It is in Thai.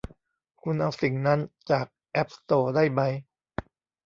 คุณเอาสิ่งนั้นจากแอพสโตร์ได้มั้ย